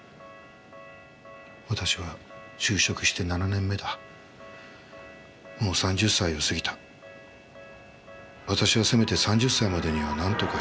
私は就職して七年目だ、もう三十歳を過ぎた、私はせめて三十歳までには何とかしたかった。